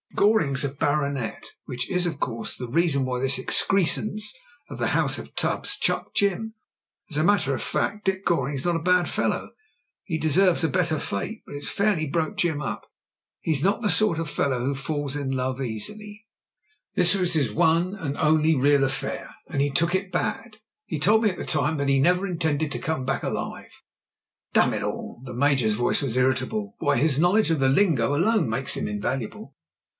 .Goring's a baronet, which is, of course, the reason why this excrescence of the house of Tubbs chucked Jim. As a matter of fact, Dick Goring's not a bad fellow — he deserves a better fate. But it fairly broke Jim up. He's not the sort of f^low whd falls in love easily; this was his one and 4€ JIM BRENT'S V.C 127 only real affair, and he took it bad. He told me at the time that he never intended to come back alive." Damn it all!" The Major's voice was irritable. Why, his knowledge of the lingo alone makes him invaluable."